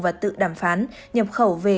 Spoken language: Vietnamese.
và tự đàm phán nhập khẩu về